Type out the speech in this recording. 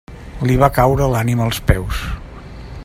Li va caure l'ànima als peus.